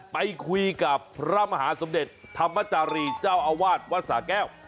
ไปคุยกับพระมหาสมเด็จธรรมจารีเจ้าอาวาสวัดสาแก้ว